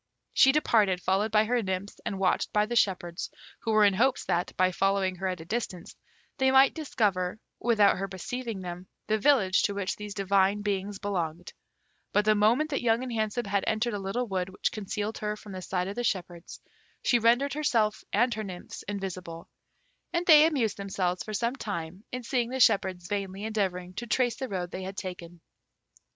She departed, followed by her nymphs and watched by the shepherds, who were in hopes that, by following her at a distance, they might discover, without her perceiving them, the village to which these divine beings belonged; but the moment that Young and Handsome had entered a little wood which concealed her from the sight of the shepherds, she rendered herself and her nymphs invisible, and they amused themselves for some time in seeing the shepherds vainly endeavouring to trace the road they had taken.